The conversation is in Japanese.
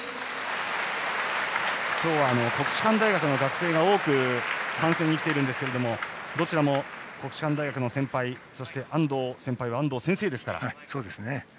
今日は国士舘大学の学生が多く観戦に来ているんですがどちらも国士舘大学の先輩そして、安藤先輩は安藤先生ですから。